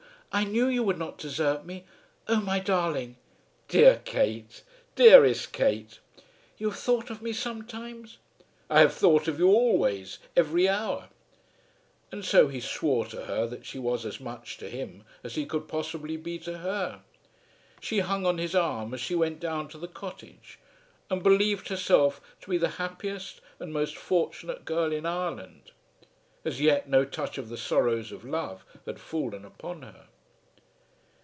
I knew you would not desert me. Oh, my darling!" "Dear Kate; dearest Kate." "You have thought of me sometimes?" "I have thought of you always, every hour." And so he swore to her that she was as much to him as he could possibly be to her. She hung on his arm as she went down to the cottage, and believed herself to be the happiest and most fortunate girl in Ireland. As yet no touch of the sorrows of love had fallen upon her.